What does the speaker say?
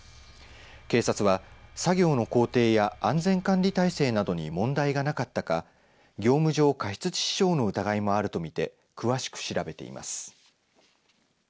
警察は作業の工程や安全管理体制などに問題がなかったか業務上過失致死傷の疑いもあるとして詳しく調べています。